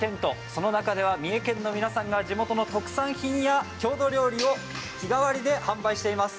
その中では三重県の皆さんが地元の特産品や郷土料理を日替わりで販売しています。